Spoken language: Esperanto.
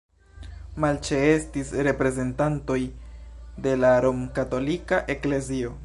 Malĉeestis reprezentantoj de la romkatolika eklezio.